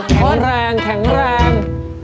แข็งแรงแข็งแรง